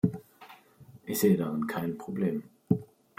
Ich sehe darin kein Problem.